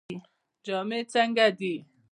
جامې یې څنګه دي؟